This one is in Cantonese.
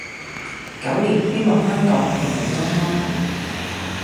狗年希望香港平平安安